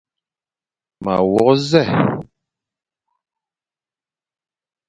Ma wôkh nzèn.